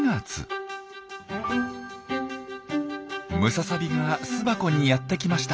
ムササビが巣箱にやって来ました。